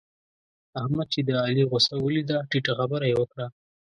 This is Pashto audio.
احمد چې د علي غوسه وليده؛ ټيټه خبره يې وکړه.